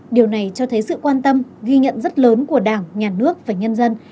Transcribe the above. điều này cho thấy sự quan tâm ghi nhận rất lớn của đảng nhà nước và nhân dân